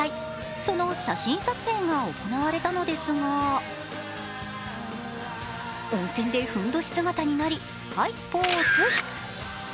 その写真撮影が行われたのですが温泉でふんどし姿になりはいポーズ。